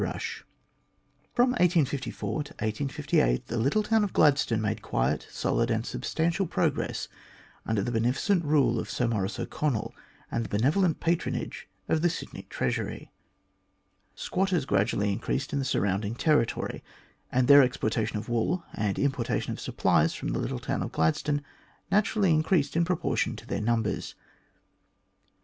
CHAPTEK IX THE GREAT GOLD RUSH FROM 1854 to 1858 the little town of Gladstone made quiet, solid, and substantial progress under the beneficent rule of Sir Maurice O'Connell and the benevolent patronage of the Sydney Treasury. Squatters gradually increased in the surrounding territory, and their exportation of wool and importation of supplies from the town of Gladstone naturally increased in proportion to their numbers.